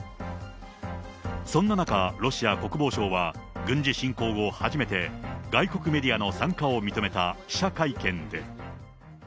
そんな中、ロシア国防省は軍事侵攻後、初めて外国メディアの参加を認めた記者会見で。